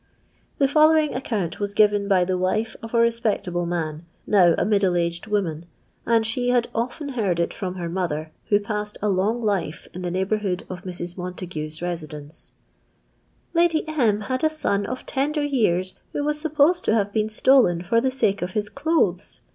The following account was given by the wife of a respectable man (now a middle aged woman^ and she had often heard it from her mother, who passed a long life in the neighbourhood of Mrs. Montagu's residence :—" Lady M. had a son of tender years, who was supposed to have been stolen for the Kike of his clothes.